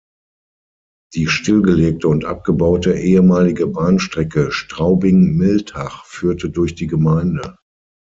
Die stillgelegte und abgebaute ehemalige Bahnstrecke Straubing–Miltach führte durch die Gemeinde.